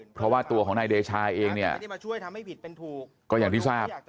เพราะว่าตัวของนายเดชาเองเนี่ยถูกก็อย่างที่ทราบ